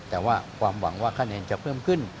แต่ว่าความหวังว่าคะแนนจะเพิ่มขึ้น